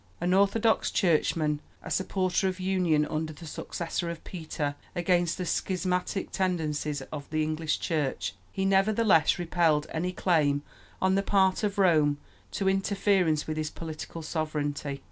An orthodox churchman, a supporter of union under the successor of Peter against the schismatic tendencies of the English Church, he nevertheless repelled any claim on the part of Rome to interference with his political sovereignty.